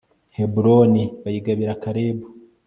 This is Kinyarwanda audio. heburoni bayigabira kalebu